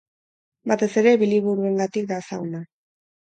Batez ere bi libururengatik da ezaguna.